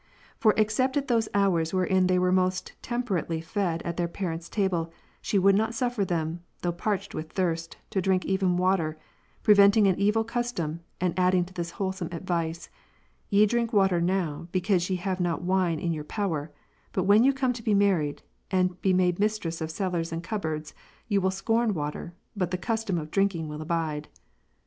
For, except at those hours wherein they were most temperately fed at their parents' table, she would not suffer them, though parched with thirst, to drink even water ; preventing an evil custom, and adding this wholesome advice ;" Ye drink water now, because you have not wine in your power ; but when you come to be married, and be made mistresses of cellars and cupboards, you will scorn water, but the custom of drinking will abide."